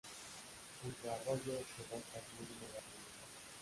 Junto a arroyos y rocas muy húmedas en las montañas.